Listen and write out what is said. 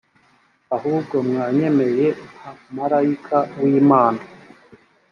ahubwo mwanyemeye nka marayika w imana